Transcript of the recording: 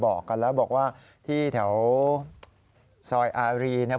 บอกกันแล้วบอกว่าที่แถวซอยอารีเนี่ย